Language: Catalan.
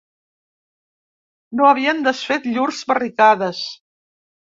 No havien desfet llurs barricades